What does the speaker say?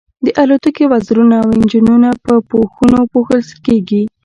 د الوتکې وزرونه او انجنونه په پوښونو پوښل کیږي